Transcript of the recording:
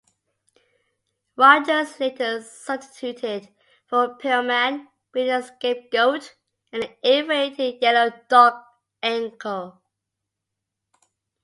Rogers later substituted for Pillman, being the scapegoat in the ill-fated Yellow Dog angle.